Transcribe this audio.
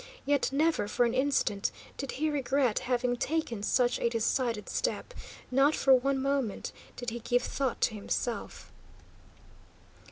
Yet never for an instant did he regret having taken such a decided step; not for one moment did he give thought to himself.